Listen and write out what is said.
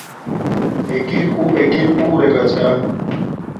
اݵکِن اُݸ اݵکِن رݵگݳ چھݳ.